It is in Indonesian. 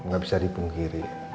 ga bisa dipungkiri